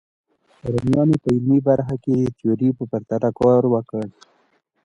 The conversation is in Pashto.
رومیانو په عملي برخه کې د تیوري په پرتله کار وکړ.